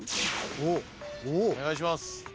おお！お願いします。